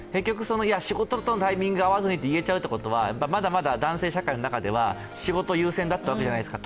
仕事とのタイミングが合わずにというのはまだまだ男性社会の中では仕事優先だったわけじゃないですか。